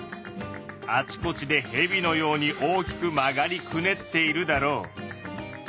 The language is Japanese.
あちこちでヘビのように大きく曲がりくねっているだろう。